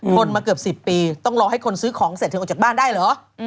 ทนมาเกือบ๑๐ปีต้องรอให้คนซื้อของเสร็จเธอออกจากบ้านได้เหรอ